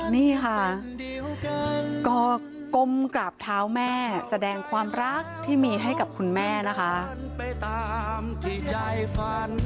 นี่ค่ะก็ก้มกราบเท้าแม่แสดงความรักที่มีให้กับคุณแม่นะคะใจฟัน